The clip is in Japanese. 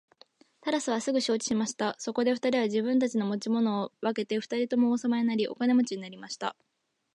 タラスはすぐ承知しました。そこで二人は自分たちの持ち物を分けて二人とも王様になり、お金持になりました。